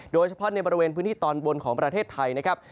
โดยเฉพาะในบริเวณพื้นที่ตอนบนของประเทศไทยนะครับ